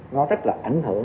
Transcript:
nó rất là ảnh hưởng